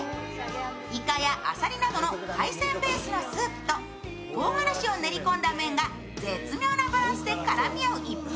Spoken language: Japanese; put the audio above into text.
イカやアサリなどの海鮮ベースのスープととうがらしを練り込んだ麺が絶妙なバランスで絡み合う一品。